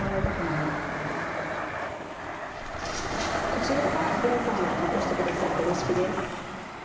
こちらがヴェラさんが残してくださったレシピです。